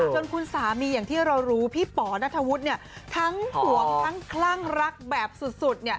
จนคุณสามีอย่างที่เรารู้พี่ป๋อนัทธวุฒิเนี่ยทั้งห่วงทั้งคลั่งรักแบบสุดเนี่ย